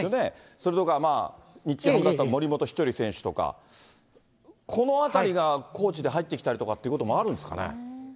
それとか日ハムだと森本稀哲選手とか、このあたりがコーチで入ってきたりとかっていうこともあるんです